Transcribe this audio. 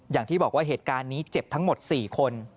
อย่างที่บอกว่าเหตุการณ์นี้เจ็บทั้งหมด๔คน